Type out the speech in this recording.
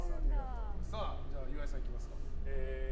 じゃあ、岩井さんいきますか。